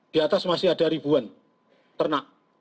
di atas masih ada ribuan ternak